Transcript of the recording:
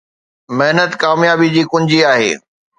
محنت ڪاميابي جي ڪنجي آهي